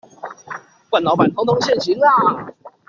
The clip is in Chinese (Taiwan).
慣老闆通通現形啦